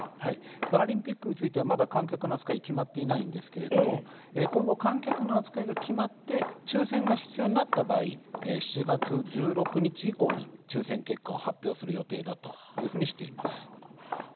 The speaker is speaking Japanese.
パラリンピックについてはまだ観客の扱いが決まっていないんですけれども今後、観客の扱いが決まって抽せんが必要になった場合７月１６日以降に抽せん結果を発表する予定だというふうにしています。